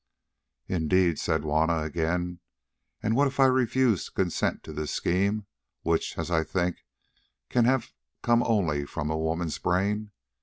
"Indeed," said Juanna again. "And what if I refuse to consent to this scheme, which, as I think, can have come only from a woman's brain?"